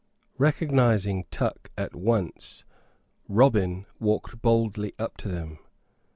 Recognizing Tuck at once, Robin walked boldly up to them.